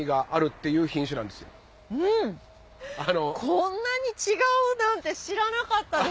こんなに違うなんて知らなかったです！